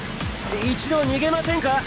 一度逃げませんか？